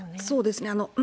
そうですね。